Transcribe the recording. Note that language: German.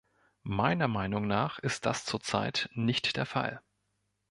Meiner Meinung nach ist das zurzeit nicht der Fall.